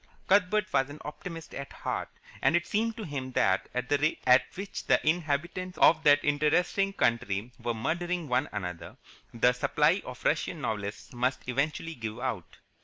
Cuthbert was an optimist at heart, and it seemed to him that, at the rate at which the inhabitants of that interesting country were murdering one another, the supply of Russian novelists must eventually give out.